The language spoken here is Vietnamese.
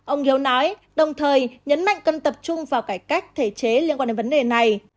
ông hiếu nói đồng thời nhấn mạnh cần tập trung vào cải cách thể chế liên quan đến vấn đề này